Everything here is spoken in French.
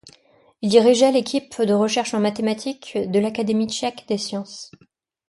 Il dirigeait l'équipe de recherche en Mathématiques de l'Académie Tchèque des Sciences.